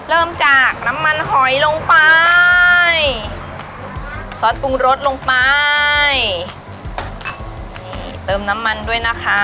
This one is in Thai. เริ่มจากน้ำมันหอยลงไปซอสปรุงรสลงไปนี่เติมน้ำมันด้วยนะคะ